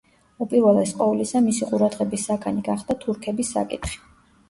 უპირველეს ყოვლისა მისი ყურადღების საგანი გახდა თურქების საკითხი.